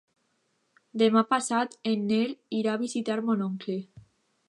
Demà passat en Nel irà a visitar mon oncle.